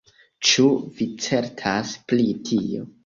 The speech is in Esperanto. Ĉu vi certas pri tio?